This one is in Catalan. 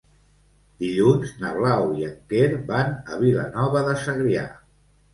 Dilluns na Blau i en Quer van a Vilanova de Segrià.